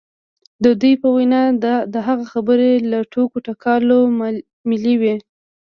د دوی په وینا د هغه خبرې له ټوکو ټکالو ملې وې